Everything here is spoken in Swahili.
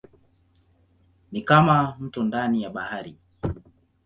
Ni kama mto ndani ya bahari.